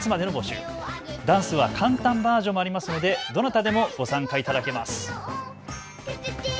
ダンスは簡単バージョンもありますのでどなたでもご参加いただけます。